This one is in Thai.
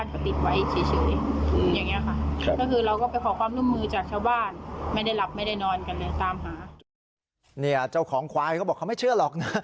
เจ้าของควายเขาบอกเขาไม่เชื่อหรอกนะ